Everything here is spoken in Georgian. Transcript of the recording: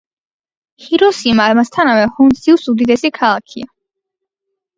ჰიროსიმა ამასთანავე ჰონსიუს უდიდესი ქალაქია.